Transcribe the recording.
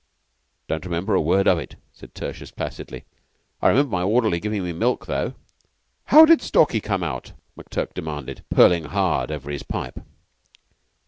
"Don't remember a word of it," said Tertius, placidly. "I remember my orderly giving me milk, though." "How did Stalky come out?" McTurk demanded, purling hard over his pipe.